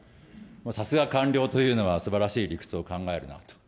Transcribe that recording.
さすが官僚というのは、すばらしい理屈を考えるなと。